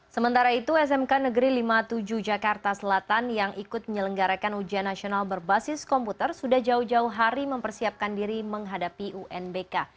sementara itu smk negeri lima puluh tujuh jakarta selatan yang ikut menyelenggarakan ujian nasional berbasis komputer sudah jauh jauh hari mempersiapkan diri menghadapi unbk